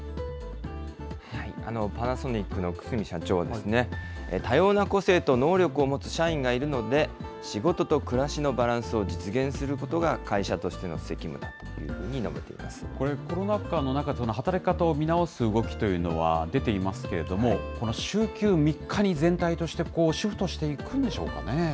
パナソニックの楠見社長はですね、多様な個性と能力を持つ社員がいるので、仕事と暮らしのバランスを実現することが会社としての責務だといこれ、コロナ禍の中で働き方を見直す動きというのは出ていますけれども、この週休３日に全体としてシフトしていくんでしょうかね。